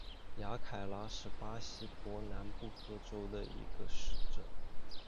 雅凯拉是巴西伯南布哥州的一个市镇。